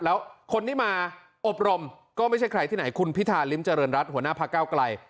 แล้วคนที่มาอบรมก็ไม่ใช่ใครที่ไหนคุณพิธาริมเจริญรัฐหัวหน้าพระเก้าไกล